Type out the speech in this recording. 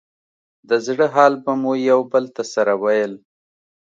د زړه حال به مو يو بل ته سره ويل.